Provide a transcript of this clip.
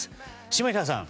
下平さん。